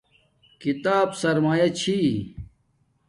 کتاب سرمایا چھی